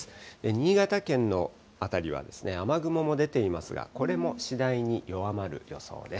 新潟県の辺りは雨雲も出ていますが、これも次第に弱まる予想です。